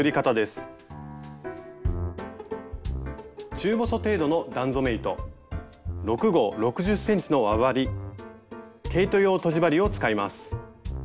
中細程度の段染め糸６号６０ｃｍの輪針毛糸用とじ針を使います。